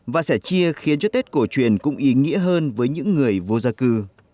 và sẻ chia khiến cho tết cổ truyền cũng ý nghĩa hơn với những người vô gia cư